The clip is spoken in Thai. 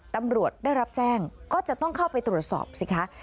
ตำรวจได้รับแจ้งก็จะต้องเข้าไปตรวจสอบสิคะ